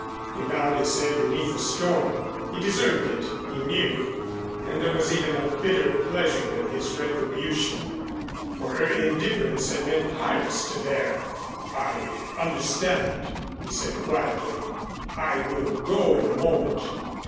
He bowed his head beneath the storm. He deserved it, he knew, and there was even a bitter pleasure in his retribution, for her indifference had been hardest to bear. "I understand," he said quietly. "I will go in a moment.